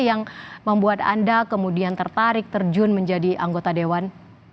yang membuat anda kemudian tertarik terjun menjadi anggota dewan